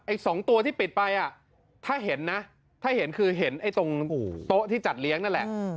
อีก๒ตัวที่ปิดไปถ้าเห็นนะถ้าเห็นคือเห็นไอ้ตรงโต๊ะที่จัดเลี้ยงนั่นแหละ